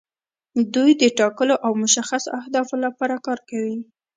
دوی د ټاکلو او مشخصو اهدافو لپاره کار کوي.